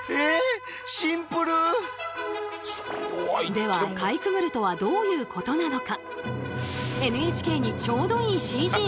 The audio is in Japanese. ではかいくぐるとはどういうことなのか。